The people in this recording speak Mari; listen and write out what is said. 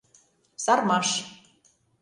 Сармаш.